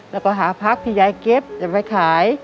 แล้วก็หาพักที่ยายเก็บจะไปขาย